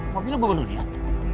mobil gue belum lihat